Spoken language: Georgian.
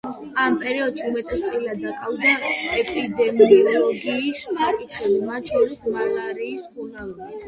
ამ პერიოდში უმეტესწილად დაკავდა ეპიდემიოლოგიის საკითხებით, მათ შორის მალარიის მკურნალობით.